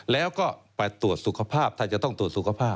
แล้วก็ไปตรวจสุขภาพถ้าจะต้องตรวจสุขภาพ